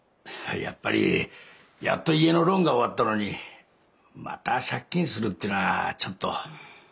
やっぱりやっと家のローンが終わったのにまた借金するってのはちょっと。